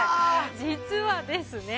実はですね